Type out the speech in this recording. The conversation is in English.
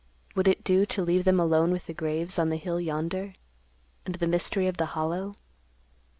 Would it do to leave them alone with the graves on the hill yonder, and the mystery of the Hollow?